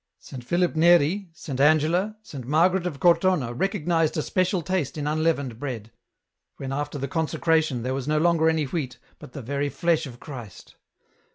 Saint Philip Neri, Saint Angela, Saint Margaret of Cortona recognized a special taste in unleavened bread, when after the consecra tion there was no longer any wheat, but the very flesh of Christ.